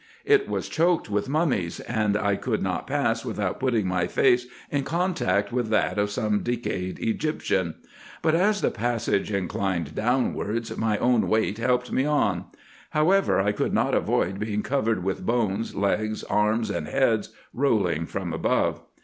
It was choked with mummies, and I could not pass without putting my face in contact with that of some decayed Egyptian ; but as the passage inclined downwards, my own weight helped me on : how ever, I could not avoid being covered with bones, legs, arms, and heads rolling from above.